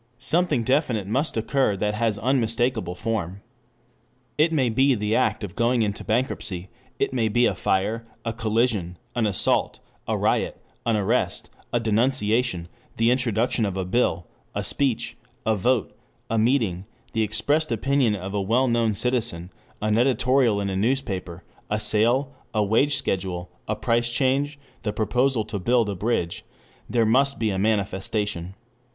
Something definite must occur that has unmistakable form. It may be the act of going into bankruptcy, it may be a fire, a collision, an assault, a riot, an arrest, a denunciation, the introduction of a bill, a speech, a vote, a meeting, the expressed opinion of a well known citizen, an editorial in a newspaper, a sale, a wage schedule, a price change, the proposal to build a bridge.... There must be a manifestation.